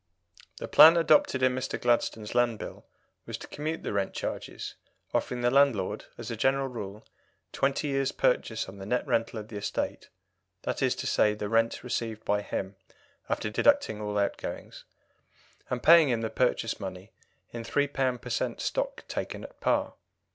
The plan adopted in Mr. Gladstone's Land Bill was to commute the rent charges, offering the landlord, as a general rule, twenty years' purchase on the net rental of the estate (that is to say, the rent received by him after deducting all outgoings), and paying him the purchase money in £3 per cent. stock taken at par.